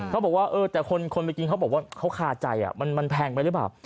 เขาบอกว่าแต่คนไปกินเขาบอกว่าเขาคาใจมันแพงไปหรือเปล่า